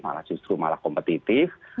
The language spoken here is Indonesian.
malah justru malah kompetitif